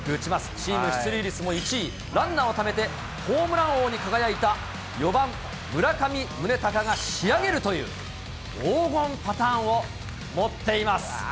チーム出塁率も１位、ランナーをためてホームラン王に輝いた４番村上宗隆が仕上げるという、黄金パターンを持っています。